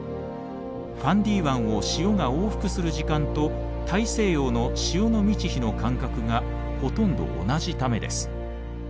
ファンディ湾を潮が往復する時間と大西洋の潮の満ち干の間隔がほとんど同じためです。